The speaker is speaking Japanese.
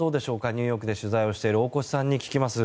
ニューヨークで取材をしている大越さんに聞きます。